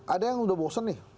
ada yang udah bosen nih